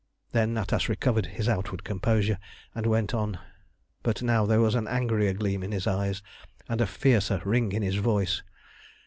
Then Natas recovered his outward composure and went on; but now there was an angrier gleam in his eyes, and a fiercer ring in his voice.